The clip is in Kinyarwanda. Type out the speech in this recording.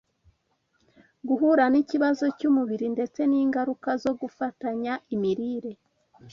Guhura n’Ikibazo cy’Umubiri ndetse n’Ingaruka zo Gufatanya Imirire